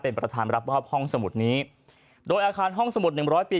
เป็นประธานรับมอบห้องสมุดนี้โดยอาคารห้องสมุดหนึ่งร้อยปี